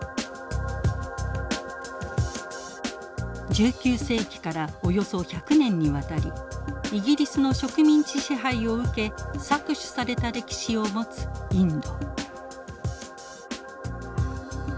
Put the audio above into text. １９世紀からおよそ１００年にわたりイギリスの植民地支配を受け搾取された歴史を持つインド。